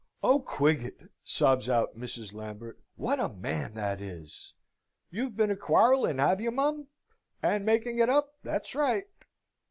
"Oh, Quiggett!" sobs out Mrs. Lambert, "what a man that is!" "You've been a quarrelling, have you, mum, and making it up? That's right."